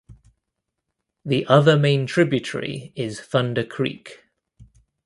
The other main tributary is Thunder Creek.